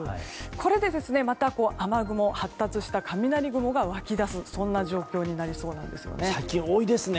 これで、また雨雲、発達した雷雲が湧き出すそんな状況になりそうなんです。